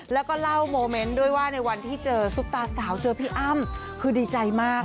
แล้วก็เล่าโมเมนต์ด้วยว่าในวันที่เจอซุปตาสาวเจอพี่อ้ำคือดีใจมาก